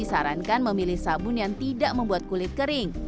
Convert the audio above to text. disarankan memilih sabun yang tidak membuat kulit kering